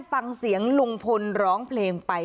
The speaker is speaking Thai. ฟังเสียงลุงพลร้องเพลงไป